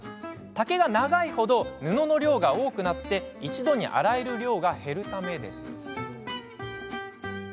丈が長いほど、布の量が多くなり一度に洗える量が減るためです。